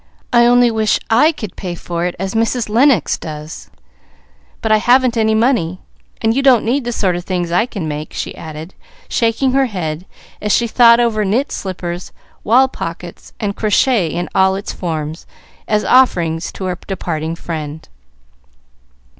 I only wish I could pay for it as Mrs. Lennox does; but I haven't any money, and you don't need the sort of things I can make," she added, shaking her head, as she thought over knit slippers, wall pockets, and crochet in all its forms, as offerings to her departing friend.